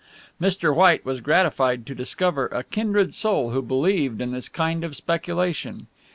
Mr. White was gratified to discover a kindred soul who believed in this kind of speculation.